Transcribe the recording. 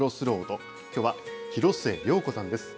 きょうは広末涼子さんです。